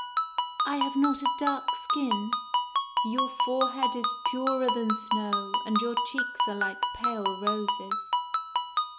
" I have not a dark skin ?" "Your forehead is purer than snow, and your cheeks are like pale roses."